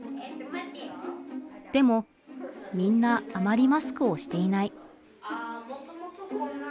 でもみんなあまりマスクをしていない。